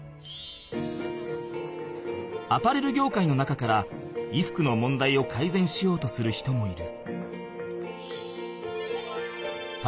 アパレル業界の中から衣服の問題をかいぜんしようとする人もいる。